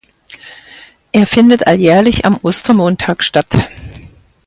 Er findet alljährlich am Ostermontag statt.